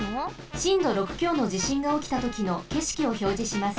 しんど６きょうのじしんがおきたときのけしきをひょうじします。